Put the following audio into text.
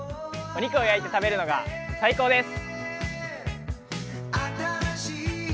お肉を焼いて食べるのが最高です。